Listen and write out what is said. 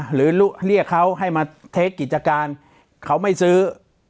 หรือเรียกเขาให้มาเทคกิจการเขาไม่ซื้อ